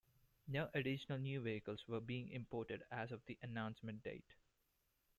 No additional new vehicles were being imported as of the announcement date.